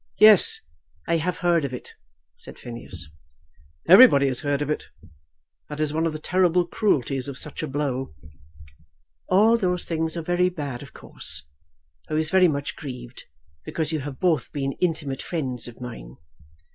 "Yes; I have heard of it," said Phineas. "Everybody has heard of it. That is one of the terrible cruelties of such a blow." "All those things are very bad of course. I was very much grieved, because you have both been intimate friends of mine."